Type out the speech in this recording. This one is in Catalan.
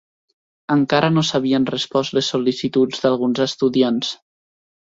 Encara no s'havien respost les sol·licituds d'alguns estudiants.